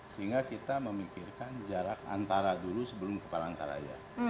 sehingga kita memikirkan jarak antara dulu sebelum ke palangkaraya